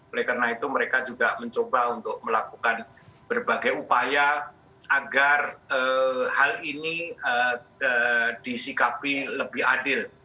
oleh karena itu mereka juga mencoba untuk melakukan berbagai upaya agar hal ini disikapi lebih adil